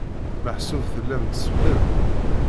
Meḥsub tellam tsellem?